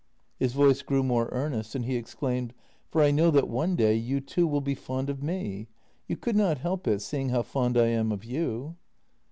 " His voice grew more earnest, and he exclaimed: "For I know that one day you too will be fond of me! You could not help it, seeing how fond I am of you."